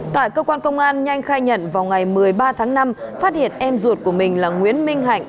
tại cơ quan công an nhanh khai nhận vào ngày một mươi ba tháng năm phát hiện em ruột của mình là nguyễn minh hạnh